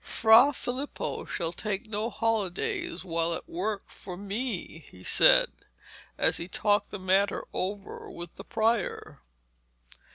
'Fra Filippo shall take no holidays while at work for me,' he said, as he talked the matter over with the prior.